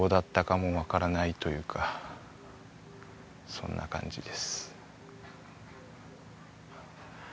そんな感じです。